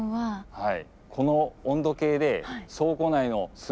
はい。